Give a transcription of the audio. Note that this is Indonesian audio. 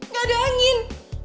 gak ada angin